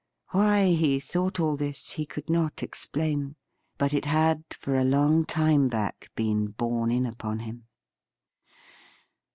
Why he thought all this he could not explain ; but it had for a long time back been borne in upon him.